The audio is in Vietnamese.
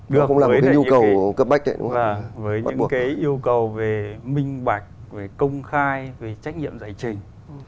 được với những cái yêu cầu về minh bạch về công khai về trách nhiệm giải trình